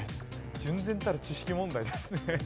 純然たる知識問題ですね。